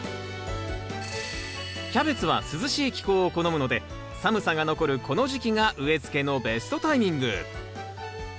キャベツは涼しい気候を好むので寒さが残るこの時期が植えつけのベストタイミング。